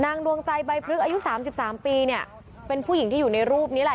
ดวงใจใบพลึกอายุสามสิบสามปีเนี่ยเป็นผู้หญิงที่อยู่ในรูปนี้แหละ